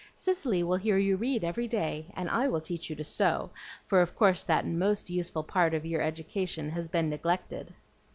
Cicely will hear you read every day, and I will teach you to sew, for of course that MOST useful part of your education has been neglected."